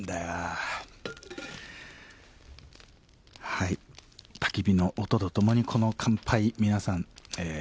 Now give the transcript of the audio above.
はいたき火の音と共にこの乾杯皆さんえ